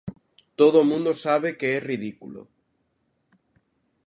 Todo o mundo sabe que é ridículo.